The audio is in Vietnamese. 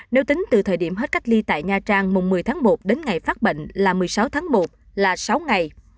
nếu tính từ thời điểm hết cách ly tại nha trang mùng một mươi tháng một đến ngày phát bệnh là một mươi sáu tháng một là sáu ngày